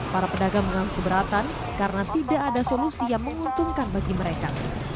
para pedagang mengaku keberatan karena tidak ada solusi yang menguntungkan bagi mereka